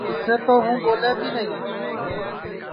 اِسے تو ہوں ٻولے بی نائی